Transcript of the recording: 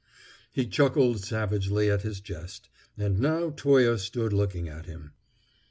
He chuckled savagely at his jest; and now Toye stood looking at him.